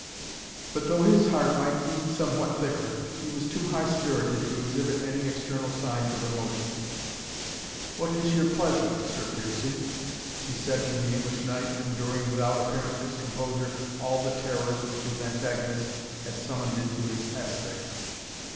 But though his heart might beat somewhat thicker, he was too high spirited to exhibit any external signs of emotion. "What is your pleasure, Sir Piercie?" he said to the English knight, enduring without apparent discomposure all the terrors which his antagonist had summoned into his aspect.